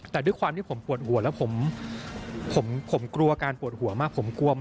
แต่ด้วยความที่ผมปวดหัวแล้วผมกลัวการปวดหัวมาก